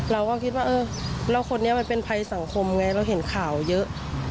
เราก็คิดว่าเออแล้วคนนี้มันเป็นภัยสังคมไงเราเห็นข่าวเยอะ